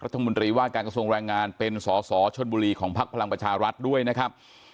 รัฐมนตรีว่าการกระทรวงแรงงานเป็นสอสอชนบุรีของพักพลังประชารัฐด้วยนะครับ